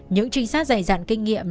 những trinh sát dày dạn kinh nghiệm